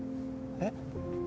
えっ？